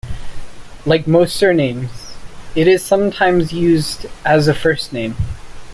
Like most surnames, it is sometimes used as a first name.